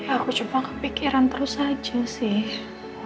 aku cuma kepikiran terus saja sih